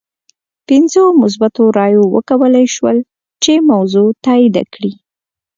پنځو مثبتو رایو وکولای شول چې موضوع تایید کړي.